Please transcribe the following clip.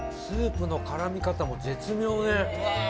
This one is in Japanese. スープの絡み方も絶妙で。